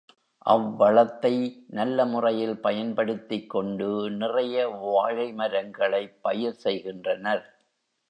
அவ்வளத்தை நல்ல முறையில் பயன்படுத்திக் கொண்டு நிறைய வாழை மரங்களைப் பயிர்செய்கின்றனர்.